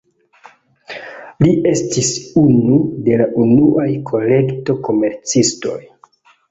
Li estis unu de la unuaj kolekto-komercistoj.